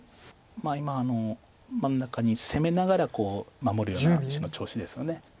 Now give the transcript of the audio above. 今真ん中に攻めながら守るような石の調子ですよね。